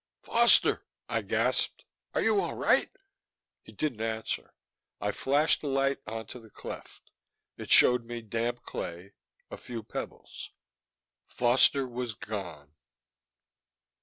"Foster," I gasped. "Are you all right?" He didn't answer. I flashed the light onto the cleft. It showed me damp clay, a few pebbles. Foster was gone.